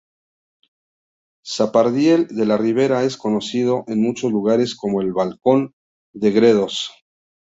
Zapardiel de la Ribera es conocido en muchos lugares como el balcón de Gredos.